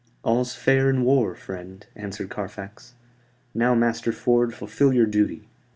"All's fair in war, friend," answered Carfax. "Now, Master Ford, fulfil your duty.